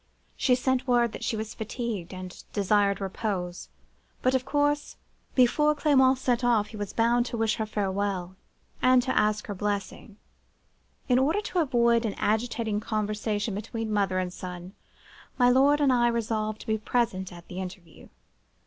She sent word that she was fatigued, and desired repose. But, of course, before Clement set off, he was bound to wish her farewell, and to ask for her blessing. In order to avoid an agitating conversation between mother and son, my lord and I resolved to be present at the interview.